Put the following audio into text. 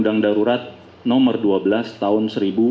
nomor dua belas tahun